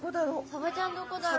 サバちゃんどこだろう？